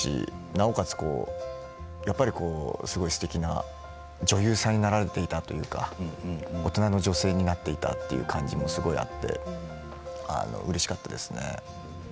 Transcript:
なおかつ、すてきな女優さんになられていたというか大人の女性になっていたという感じもすごくあってうれしかったですね。